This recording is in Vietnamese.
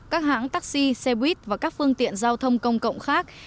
các hãng taxi xe buýt và các phương tiện giao thông công cộng khác